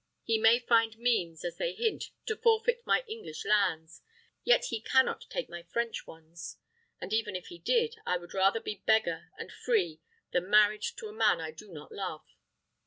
He may find means, as they hint, to forfeit my English lands, yet he cannot take my French ones; and even if he did, I would rather be beggar and free than married to a man I do not love.